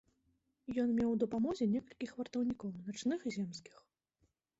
Ён меў ў дапамозе некалькіх вартаўнікоў начных і земскіх.